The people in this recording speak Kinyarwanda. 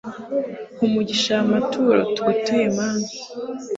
ha umugisha aya maturo, tugutuye mana